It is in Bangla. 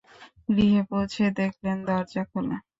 গৃহে পৌঁছে দেখলেন, দরজা খোলা।